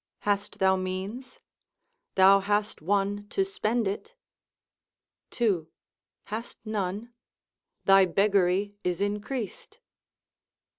Hast thou means? thou hast one to spend it.—2. Hast none? thy beggary is increased.—3.